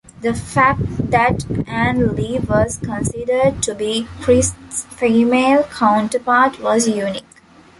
The fact that Ann Lee was considered to be Christ's female counterpart was unique.